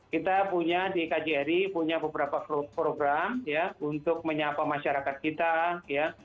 kita punya di kjri punya beberapa program ya untuk menyapa masyarakat kita ya